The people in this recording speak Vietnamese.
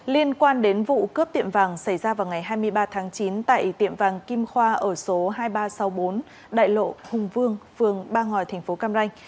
liên quan đến vụ cướp tiệm vàng xảy ra vào ngày hai mươi ba tháng chín tại tiệm vàng kim khoa ở số hai nghìn ba trăm sáu mươi bốn đại lộ hùng vương phường ba ngòi tp cam ranh